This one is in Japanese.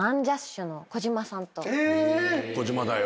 「児嶋だよ」？